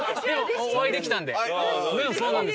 お会いできたので。